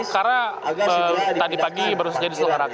karena tadi pagi baru saja diselengarakan